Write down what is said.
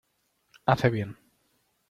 hace bien.